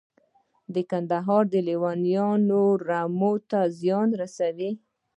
د کندهار لیوان رمو ته زیان رسوي؟